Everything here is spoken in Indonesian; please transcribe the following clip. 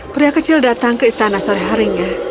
pria kecil datang ke istana sore harinya